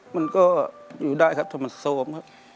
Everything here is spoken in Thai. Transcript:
มันก็อยู่ได้ครับถ้ามันโซมครับ